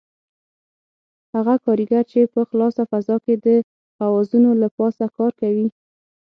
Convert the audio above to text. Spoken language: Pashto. هغه کاریګر چې په خلاصه فضا کې د خوازونو له پاسه کار کوي.